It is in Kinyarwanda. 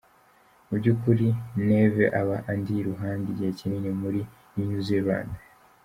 "Mu by'ukuri Neve aba andi iruhande igihe kinini muri New Zealand.